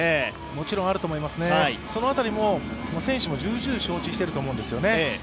もちろんあると思いますね、その辺りも十分承知してると思うんですね。